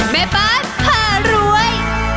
แม่บ้านผ่ารวย